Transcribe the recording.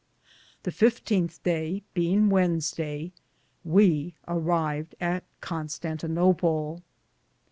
The 15th day, beinge Wednesday, we arived at Constan tinople.